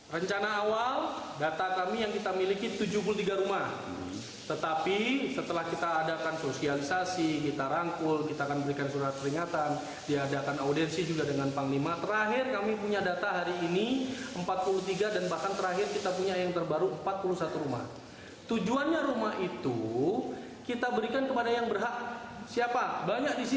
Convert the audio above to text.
rencana awal data kami yang kita miliki kita akan mencari peraturan yang berdinas